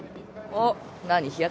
おっ。